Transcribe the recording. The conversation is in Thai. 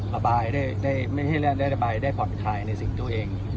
ระบายได้ไม่ให้ได้ระบายได้ผ่อนคลายในสิ่งตัวเอง